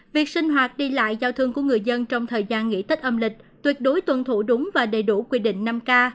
việc sinh hoạt đi lại giao thương của người dân trong thời gian nghỉ tết âm lịch tuyệt đối tuân thủ đúng và đầy đủ quy định năm k